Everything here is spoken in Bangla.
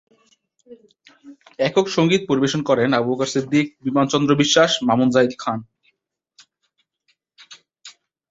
একক সংগীত পরিবেশন করেন আবু বকর সিদ্দিক, বিমান চন্দ্র বিশ্বাস, মামুন জাহিদ খান।